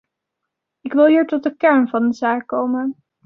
Ik wil hier tot de kern van de zaak komen.